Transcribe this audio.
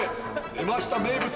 出ました名物。